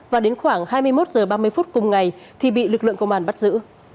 và đến khoảng hai mươi một h ba mươi phút cùng ngày thì bị lực lượng công an bắt giữ